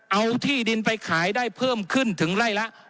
เอาที่ดินไปขายได้เพิ่มขึ้นถึงไร่ละ